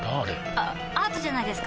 あアートじゃないですか？